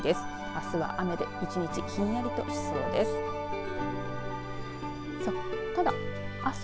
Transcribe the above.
あすは雨で１日ひんやりとしそうです。